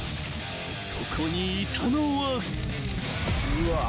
［そこにいたのは］